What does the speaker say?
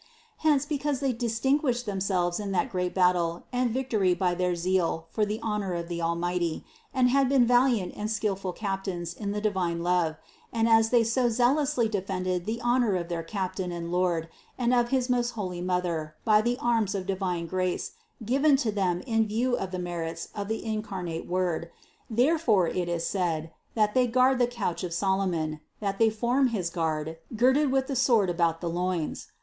Hence, because they distinguished themselves in that great battle and victory by their zeal for the honor of the Almighty, and had been valiant and skillful captains in the divine love, and as they so zealously defended the honor of their Captain and Lord and of his most holy Mother by the arms of divine grace given to them in view of the merits of the incar nate Word, therefore it is said, that they guard the couch of Solomon, that they form his guard, girded with the sword about the loins.